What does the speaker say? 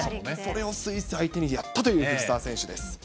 それをスイス相手にやったという藤澤選手です。